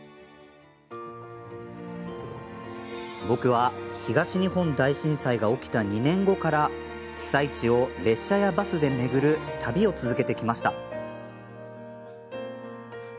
僕は東日本大震災が起きた２年後から被災地を列車やバスで巡る旅を続けてきました。